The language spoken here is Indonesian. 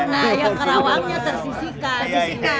nah ya kerawangnya tersisikan